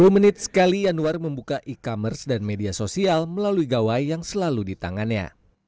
sepuluh menit sekali yanwar membuka e commerce dan media sosial melalui gawai yang selalu di tangannya